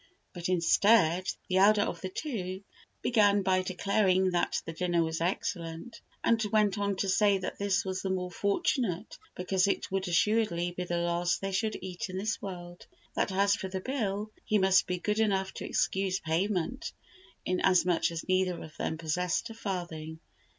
But instead, the elder of the two began by declaring that the dinner was excellent, and went on to say that this was the more fortunate because it would assuredly be the last they should eat in this world; that as for the bill, he must be good enough to excuse payment, inasmuch as neither of them possessed a farthing.